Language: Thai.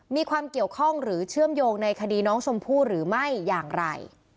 มีความเกี่ยวข้องหรือเชื่อมโยงในคดีน้องชมพู่หรือไม่อย่างไร